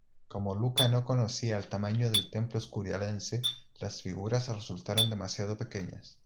Como Luca no conocía el tamaño del templo escurialense, las figuras resultaron demasiado pequeñas.